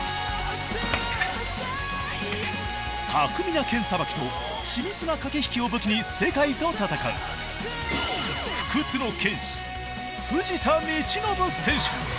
巧みな剣さばきと緻密な駆け引きを武器に世界と戦う不屈の剣士